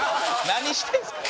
何してるんですか？